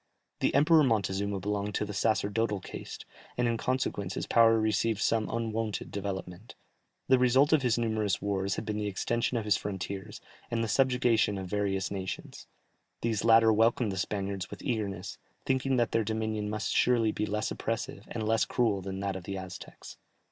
The Emperor Montezuma belonged to the sacerdotal caste, and in consequence his power received some unwonted development. The result of his numerous wars had been the extension of his frontiers, and the subjugation of various nations; these latter welcomed the Spaniards with eagerness, thinking that their dominion must surely be less oppressive and less cruel than that of the Aztecs.